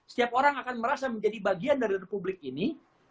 setiap orang akan merasa menjadi bagian dari republik ini